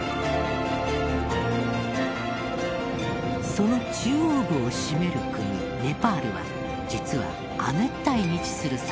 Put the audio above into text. その中央部を占める国ネパールは実は亜熱帯に位置する山岳国。